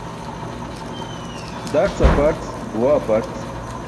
Darc aparca? Buwa aprc?